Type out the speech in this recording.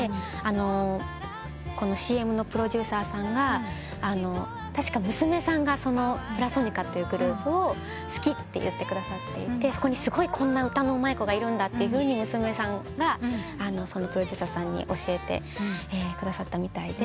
このＣＭのプロデューサーさんが確か娘さんがぷらそにかというグループを好きって言ってくださっていてそこにすごいこんな歌のうまい子がいるんだと娘さんがプロデューサーさんに教えてくださったみたいで。